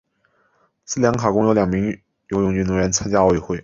斯里兰卡共有两名游泳运动员参加奥运。